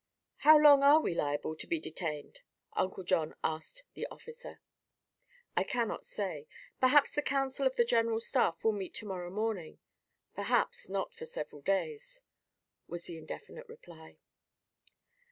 "How long are we liable to be detained?" Uncle John asked the officer. "I cannot say. Perhaps the council of the general staff will meet to morrow morning; perhaps not for several days," was the indefinite reply.